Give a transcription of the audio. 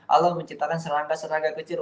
allah menciptakan serangga serangga kecil